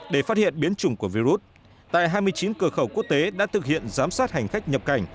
để phát hiện biến chủng của virus tại hai mươi chín cửa khẩu quốc tế đã thực hiện giám sát hành khách nhập cảnh